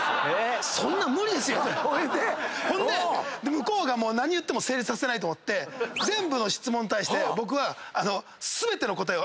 向こうが何言っても成立させないと思って全部の質問に対して僕は全ての答えを。